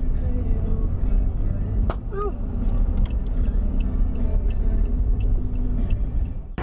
ตอนนี้ก็เปลี่ยนแบบนี้แหละ